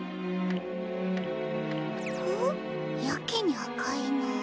やけにあかいな。